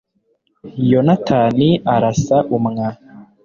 yonatani arasa umwa